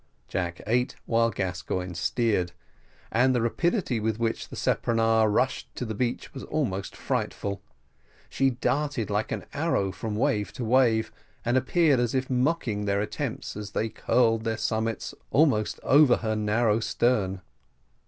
Jack ate while Gascoigne steered; and the rapidity with which the speronare rushed to the beach was almost frightful. She darted like an arrow from wave to wave, and appeared as if mocking their attempts as they curled their summits almost over her narrow stern.